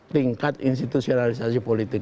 tingkat institusionalisasi politik